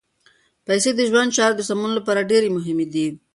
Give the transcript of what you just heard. پیسې د ژوند د چارو د سمون لپاره ډېرې مهمې دي.